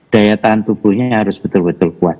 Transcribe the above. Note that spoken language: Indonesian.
daya tahan tubuhnya harus betul betul kuat